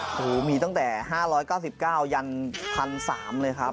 โอ้โหมีตั้งแต่๕๙๙ยัน๑๓๐๐เลยครับ